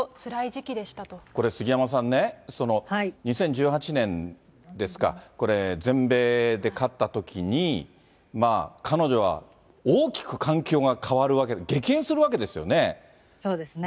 これ、杉山さんね、２０１８年ですか、これ、全米で勝ったときに、彼女は大きく環境が変わるわけで、激変するわけですよね。